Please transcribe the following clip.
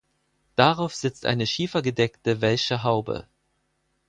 Darauf sitzt eine schiefergedeckte Welsche Haube.